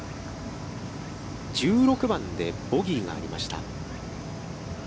１６番でボギーがありました。